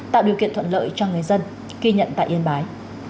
tạo điều kiện thuận lợi cho người dân ghi nhận tại yên bái